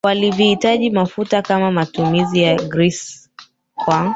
vilihitaji mafuta kwa matumizi ya grisi kwa